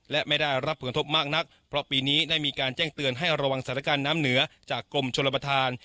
และไม่ได้รับผลทบมากนักเพราะปีนี้ได้มีการแจ้งเตือนให้ระวังสถานการณ์น้ำเหนือจากกรมชนประธาน